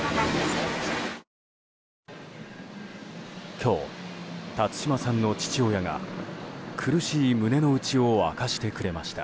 今日、辰島さんの父親が苦しい胸の内を明かしてくれました。